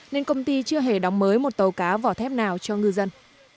nên công ty chưa hề đóng mới một tàu cá vỏ thép nào cho ngư dân